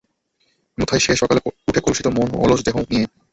অন্যথায় সে সকালে ওঠে কলুষিত মন ও অলস দেহ নিয়ে।